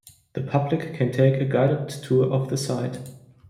The public can take a guided tour of the site.